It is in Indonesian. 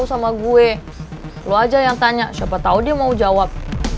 sama gue lo aja yang tanya siapa tahu dia mau jawab